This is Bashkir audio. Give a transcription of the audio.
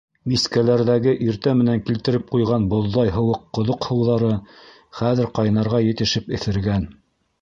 Мискәләрҙәге иртә менән килтереп ҡуйған боҙҙай һыуыҡ ҡоҙоҡ һыуҙары хәҙер ҡайнарға етешеп эҫергән.